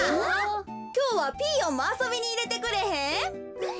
きょうはピーヨンもあそびにいれてくれへん？